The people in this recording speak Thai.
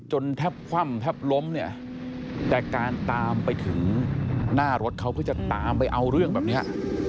แทบคว่ำแทบล้มเนี่ยแต่การตามไปถึงหน้ารถเขาก็จะตามไปเอาเรื่องแบบเนี้ย